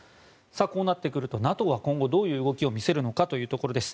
こうなってくるとＮＡＴＯは今後どういう動きを見せるのかというところです。